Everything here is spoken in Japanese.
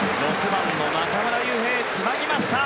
６番の中村悠平、つなぎました。